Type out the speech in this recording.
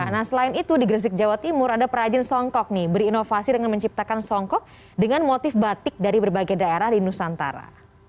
nah selain itu di gresik jawa timur ada perajin songkok nih berinovasi dengan menciptakan songkok dengan motif batik dari berbagai daerah di nusantara